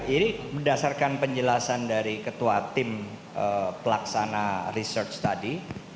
ini berdasarkan penjelasan dari ketua tim pelaksana research tadi